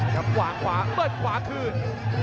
จับหวางขวาเปิดขวาครึ่ง